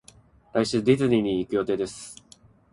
来週ディズニーに行く予定です